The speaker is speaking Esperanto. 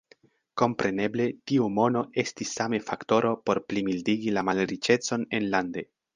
Kompreneble, tiu mono estis same faktoro por plimildigi la malriĉecon enlande.